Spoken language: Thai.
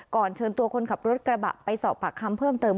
เชิญตัวคนขับรถกระบะไปสอบปากคำเพิ่มเติม